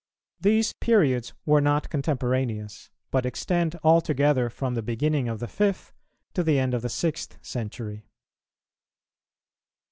These periods were not contemporaneous; but extend altogether from the beginning of the fifth to the end of the sixth century.